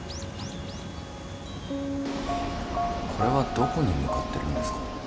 これはどこに向かってるんですか？